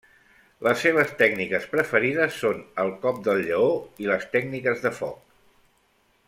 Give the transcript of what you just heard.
Les seves tècniques preferides són el cop del lleó i les tècniques de foc.